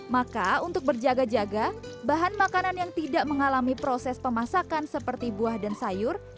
maka untuk berjaga jaga bahan makanan yang tidak mengalami proses pemasakan seperti buah dan sayur